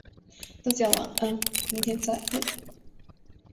大家晚安，明天再会。